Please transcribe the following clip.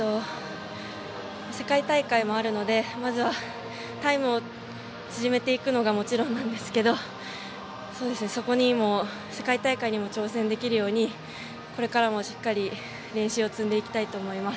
世界大会もあるのでまずはタイムを縮めていくのはもちろんなんですけども世界大会にも挑戦できるようにこれからもしっかり練習を積んでいきたいと思います。